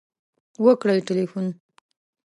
.وکړئ تلیفون